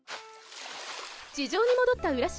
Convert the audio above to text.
地上に戻った浦島